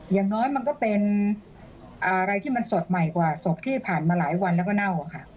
อย่างน้อยมันก็เป็นอะไรที่มันสดใหม่กว่าศพที่ผ่านมาหลายวันแล้วก็เน่าค่ะ